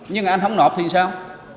nhưng mà anh không nộp thì sao